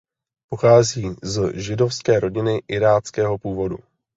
Pochází z židovské rodiny iráckého původu.